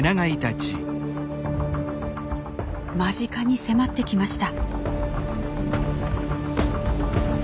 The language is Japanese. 間近に迫ってきました。